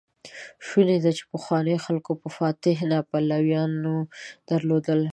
شونې ده، چې پخوانيو خلکو به فاتح ناپليونان درلودل.